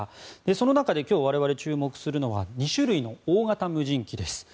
その中で今日我々が注目するのは２種類の大型無人機です。